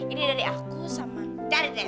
ini dari aku sama daridel